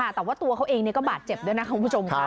แต่ว่าตัวเขาเองก็บาดเจ็บด้วยนะคุณผู้ชมครับ